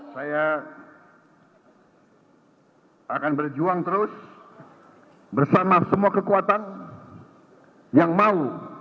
silahkan jadi penonton yang baik